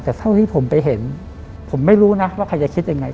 แต่เท่าที่ผมไปเห็นผมไม่รู้นะว่าใครจะคิดยังไง